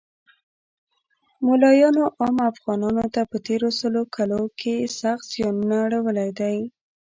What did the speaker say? مولایانو عام افغانانو ته په تیرو سلو کلو کښی سخت ځیانونه اړولی دی